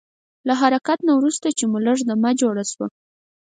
له حرکت نه وروسته مو چې لږ دمه جوړه شوه.